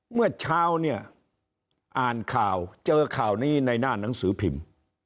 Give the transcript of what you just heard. เมื่อเช้าเนี่ยอ่านข่าวเจอข่าวนี้ในหน้าหนังสือพิมพ์